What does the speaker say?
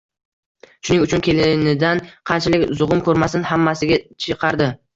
Shuning uchun kelinidan qanchalik zug`um ko`rmasin, hammasiga chidardi